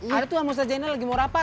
ada tuh amos ajena lagi mau